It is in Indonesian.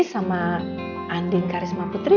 sama andin karisma putri